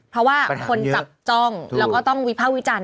เพราะว่าคนจับจ้องแล้วก็ต้องวิภาควิจารณ